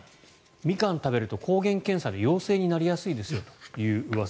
ミカンを食べると抗原検査で陽性になりやすいですよといううわさ。